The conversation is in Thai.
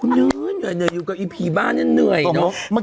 เหนื่อยอยู่กับอีผีบ้านนี่เหนื่อยเนาะ